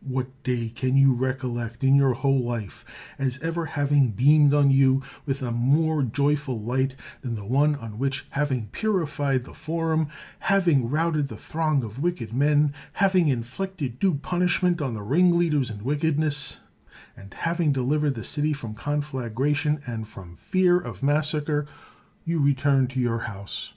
What day can you recollect in your whole life, as ever having beamed on you with a more joyful light than the one on which, having purified the forum, having routed ttie throng of wicked men, 162 CICERO having inflicted due punishment on the ring leaders in wickedness, and having delivered the city from conflagration and from fear of massa cre, you returned to your house?